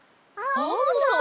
アンモさん。